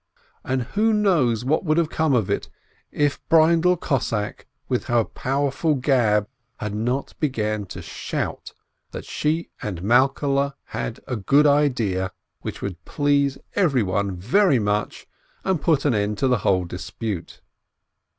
And who knows what would have come of it, if Breindel Cossack, with her powerful gab, had not begun to shout, that she and Malkehle had a good idea, which would 466 BLINKIN please everyone very much, and put an end to the whole dispute.